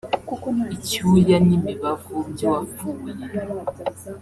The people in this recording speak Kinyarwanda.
Icyuya n’imibavu by’uwapfuye